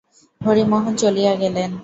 হরিমোহন চলিয়া গেলেন।